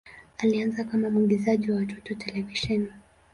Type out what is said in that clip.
Alianza kama mwigizaji wa watoto katika televisheni.